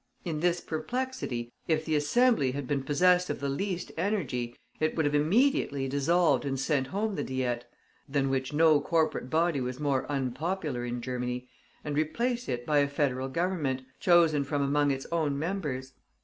In this perplexity, if the Assembly had been possessed of the least energy, it would have immediately dissolved and sent home the Diet than which no corporate body was more unpopular in Germany and replaced it by a Federal Government, chosen from among its own members.